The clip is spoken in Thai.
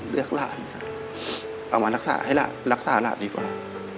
เลือกหลานนะเอามารักษาหลานดีกว่า